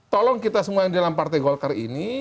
tolong kita semua yang di dalam partai golkar ini